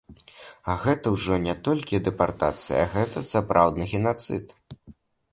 А гэта ўжо не толькі дэпартацыя, гэта сапраўдны генацыд.